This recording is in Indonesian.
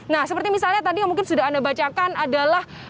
nah seperti misalnya tadi yang mungkin sudah anda bacakan adalah